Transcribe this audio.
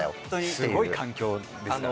すごい環境ですからね。